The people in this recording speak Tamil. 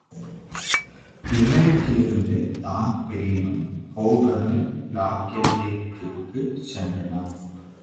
லிமெரிக்கிலிருந்து தான்பிரீனும் ஹோகனு, லாகெல்லிக்குச் சென்றனர்.